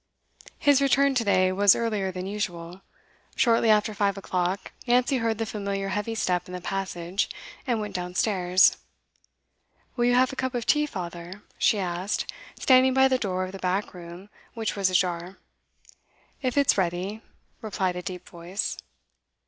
His return to day was earlier than usual. Shortly after five o'clock Nancy heard the familiar heavy step in the passage, and went downstairs. 'Will you have a cup of tea, father?' she asked, standing by the door of the back room, which was ajar. 'If it's ready,' replied a deep voice.